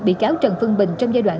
bị cáo trần phương bình trong giai đoạn